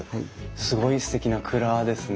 すごいすてきな蔵ですね。